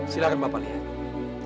silahkan bapak lihat